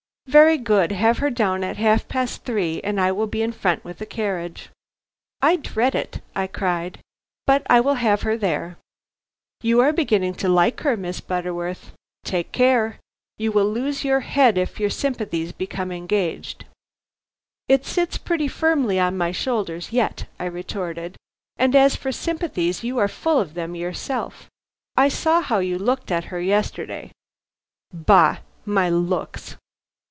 "Very good; have her down at half past three and I will be in front with a carriage." "I dread it," I cried; "but I will have her there." "You are beginning to like her, Miss Butterworth. Take care! You will lose your head if your sympathies become engaged." "It sits pretty firmly on my shoulders yet," I retorted; "and as for sympathies, you are full of them yourself. I saw how you looked at her yesterday." "Bah, my looks!"